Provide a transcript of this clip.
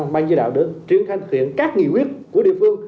ban chỉ đạo để triển khai khuyển các nghị quyết của địa phương